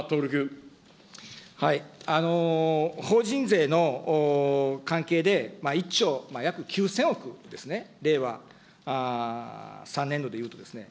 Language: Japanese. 法人税の関係で、１兆約９０００億ですね、令和３年度でいうとですね。